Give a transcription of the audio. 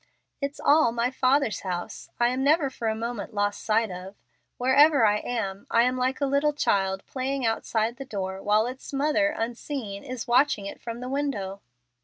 "It's all my Father's house. I am never for a moment lost sight of. Wherever I am, I am like a little child playing outside the door while its mother, unseen, is watching it from the window."